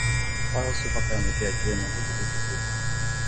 Qual é o seu papel no dia-a-dia na vida do indivíduo?